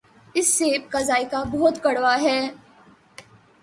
اس سیب کا ذائقہ بہت کڑوا ہے۔